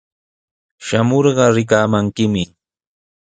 Shamurqa rikamankimi.